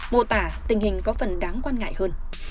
mô tả tình hình có phần đáng quan ngại hơn